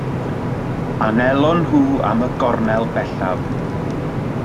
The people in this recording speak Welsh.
Anelon nhw am y gornel bellaf.